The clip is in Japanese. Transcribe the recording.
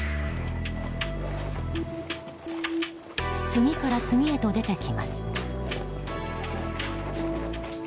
次から次へと出てきます。